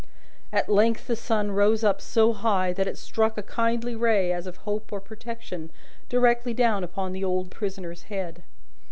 At length the sun rose so high that it struck a kindly ray as of hope or protection, directly down upon the old prisoner's head.